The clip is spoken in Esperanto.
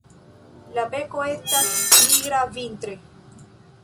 La beko estas nigra vintre.